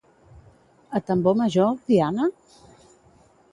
A tambor major, diana?